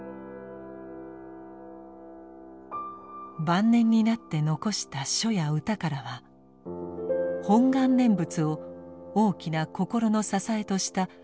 晩年になって残した書や歌からは「本願念仏」を大きな心の支えとした良寛の思いが伝わってきます。